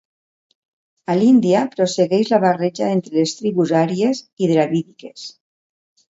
A l'Índia, prossegueix la barreja entre les tribus àries i dravídiques.